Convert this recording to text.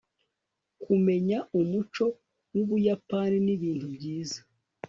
kumenya umuco wubuyapani nibintu byiza